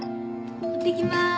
いってきます。